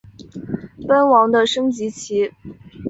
奔王的升级棋。